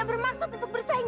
apa yang aku lakukan ini